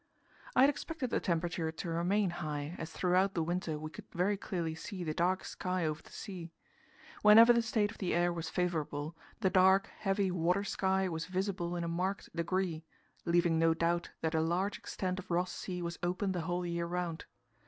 I had expected the temperature to remain high, as throughout the winter we could very clearly see the dark sky over the sea. Whenever the state of the air was favourable, the dark, heavy water sky was visible in a marked degree, leaving no doubt that a large extent of Ross Sea was open the whole year round.